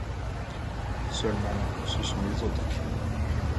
Seulement, ce sont les autres…